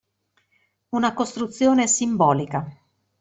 Una costruzione simbolica.